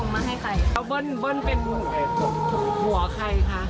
มันส่งมาให้ใคร